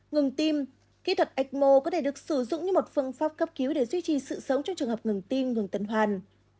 ngừng tim kỹ thuật ecmo có thể được sử dụng như một phương pháp cấp cứu để duy trì sự sống trong trường hợp ngừng tim ngừng hoàn